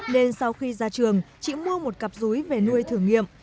nên sau khi ra trường chị mua một cặp rúi về nuôi thử nghiệm